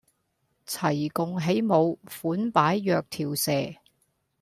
齊共起舞款擺若條蛇